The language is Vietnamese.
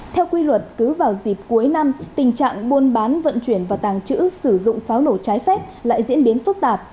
theo quy luật cứ vào dịp cuối năm tình trạng buôn bán vận chuyển và tàng trữ sử dụng pháo nổ trái phép lại diễn biến phức tạp